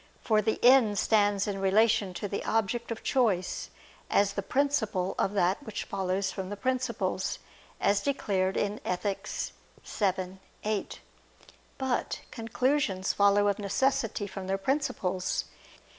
For the end stands in relation to the object of choice, as the principle of that which follows from the principles, as declared in Ethic. vii, 8. But conclusions follow of necessity from their principles.